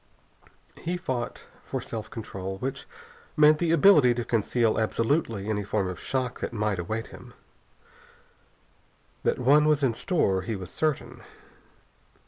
He fought for self control, which meant the ability to conceal absolutely any form of shock that might await him. That one was in store he was certain.